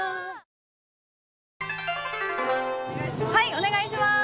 お願いします。